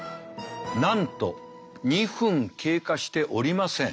なんと２分経過しておりません。